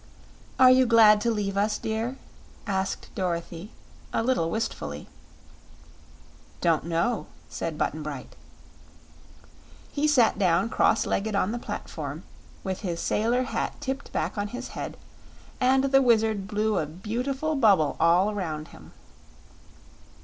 "Are you glad to leave us, dear?" asked Dorothy, a little wistfully. "Don't know," said Button Bright. He sat down cross legged on the platform, with his sailor hat tipped back on his head, and the Wizard blew a beautiful bubble all around him.